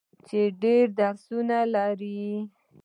چې ډیر درسونه لري.